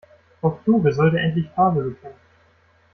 Frau Kluge sollte endlich Farbe bekennen.